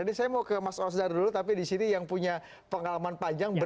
ini saya mau ke mas osdar dulu tapi di sini yang punya pengalaman panjang